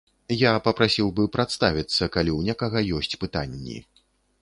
Я папрасіў бы прадставіцца, калі ў некага ёсць пытанні.